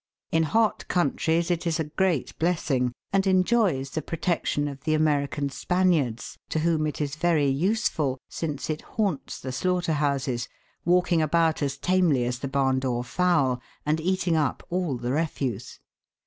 In hot countries it is a great blessing, and enjoys the protection of the American Spaniards, to whom it is very useful, since it haunts the slaughter houses, walking about as tamely as the barndoor fowl, and eating up all the refuse.